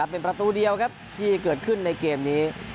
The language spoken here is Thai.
เป็นประตูเดียวครับที่เกิดขึ้นในเกมนี้